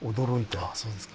ああそうですか。